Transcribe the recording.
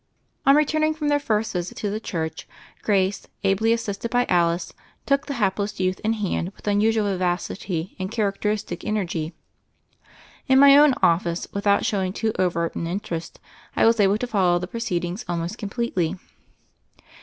On returning from their first visit to the church, Grace, ably assisted by Alice, took the hapless youth in hand with unusual vivacity and characteristic energy. In my own office, with out showing too overt an interest, I was able to follow the proceedings almost completely.